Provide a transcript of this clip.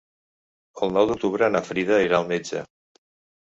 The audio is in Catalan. El nou d'octubre na Frida irà al metge.